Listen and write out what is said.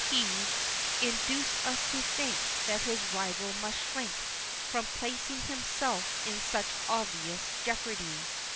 He Induced us to think That his rival must shrink From placing himself in such obvious jeopardy.